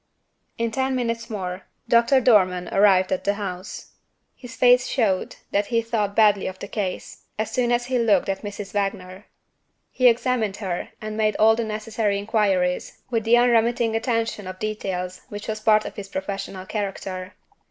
In ten minutes more, Doctor Dormann arrived at the house. His face showed that he thought badly of the case, as soon as he looked at Mrs. Wagner. He examined her, and made all the necessary inquiries, with the unremitting attention to details which was part of his professional character.